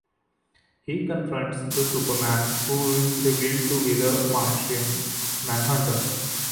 He confronts the "Superman", who is revealed to be the Martian Manhunter.